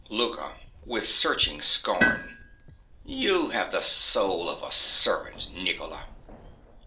LOUKA. (with searching scorn). You have the soul of a servant, Nicola.